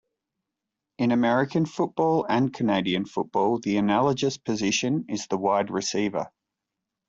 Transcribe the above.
In American football and Canadian football, the analogous position is the wide receiver.